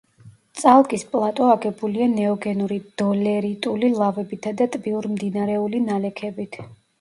წალკის პლატო აგებულია ნეოგენური დოლერიტული ლავებითა და ტბიურ-მდინარეული ნალექებით.